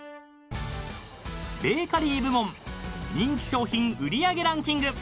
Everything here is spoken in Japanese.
［ベーカリー部門人気商品売り上げランキング］